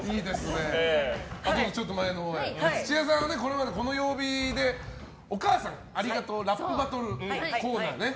土屋さんはこれまで、この曜日でお母さんありがとうラップバトルのコーナーでね。